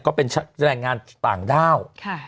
ก็เป็นแรงงานต่างด้าว